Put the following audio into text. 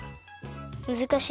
むずかしい。